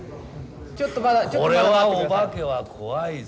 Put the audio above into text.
これはお化けは怖いぞ。